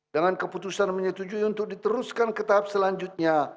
dengan keputusan menyetujui untuk diteruskan ke tahap selanjutnya